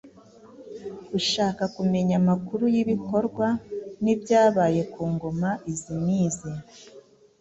Ushaka kumenya amakuru y’ibikorwa n’ibyabaye ku ngoma izi n’izi